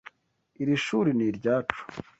Iri shuri ni iryacu.